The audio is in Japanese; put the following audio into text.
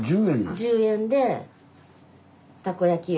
１０円でたこ焼きを。